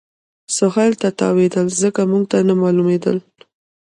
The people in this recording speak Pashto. سهېل ته تاوېدل، ځکه نو موږ ته نه معلومېدل.